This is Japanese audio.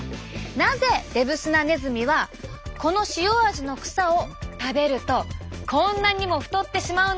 なぜデブスナネズミはこの塩味の草を食べるとこんなにも太ってしまうのでしょうか？